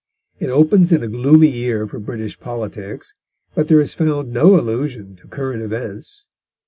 It opens in a gloomy year for British politics, but there is found no allusion to current events.